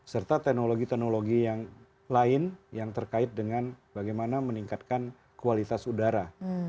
serta teknologi teknologi yang lain yang terkait dengan bagaimana meningkatkan kualitas udara